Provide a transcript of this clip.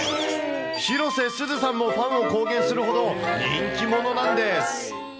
広瀬すずさんもファンを公言するほど人気者なんです。